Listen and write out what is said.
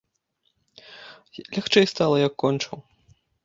Лягчэй стала, як кончыў.